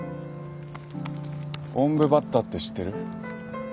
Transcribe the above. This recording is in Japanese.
オンブバッタって知ってる？